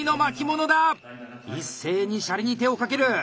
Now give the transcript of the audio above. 一斉にシャリに手をかける！